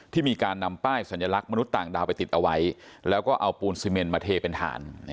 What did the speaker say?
มีการนำป้ายสัญลักษณ์มนุษย์ต่างดาวไปติดเอาไว้แล้วก็เอาปูนซีเมนมาเทเป็นฐาน